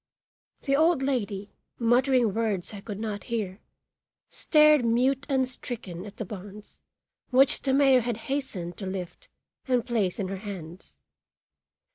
The old lady, muttering words I could not hear, stared mute and stricken at the bonds which the mayor had hastened to lift and place in her hands.